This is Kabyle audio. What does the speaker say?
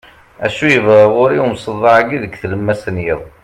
acu yebɣa ɣur-i umseḍḍeɛ-agi deg tlemmast n yiḍ